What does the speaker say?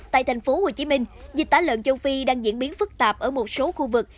tại thành phố hồ chí minh dịch tả lợn châu phi đang diễn biến phức tạp ở một số khu vực